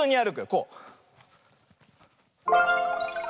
こう。